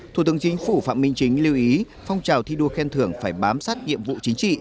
thủ tướng chính phủ phạm minh chính lưu ý phong trào thi đua khen thưởng phải bám sát nhiệm vụ chính trị